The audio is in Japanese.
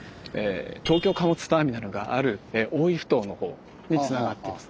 東京貨物ターミナルがある大井埠頭のほうにつながっています。